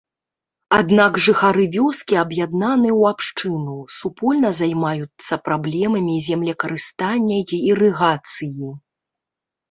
Аднак жыхары вёскі аб'яднаны ў абшчыну, супольна займаюцца праблемамі землекарыстання і ірыгацыі.